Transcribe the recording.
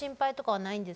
はい。